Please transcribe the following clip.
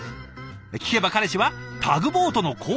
聞けば彼氏はタグボートの航海士。